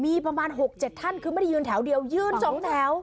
มีประมาณ๖๗ท่านคือไม่ได้ยืนแถวเดียวยืน๒แถว